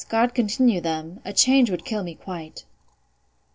God continue them!—A change would kill me quite.